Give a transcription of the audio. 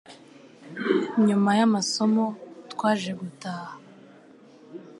nyuma y'amasomo twaje gutaha.